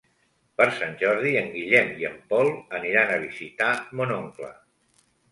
Per Sant Jordi en Guillem i en Pol aniran a visitar mon oncle.